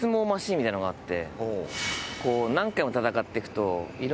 みたいなのがあって。